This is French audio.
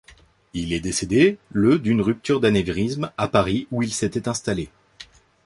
Il est décédé le d'une rupture d'anévrisme à Paris où il s'était installé.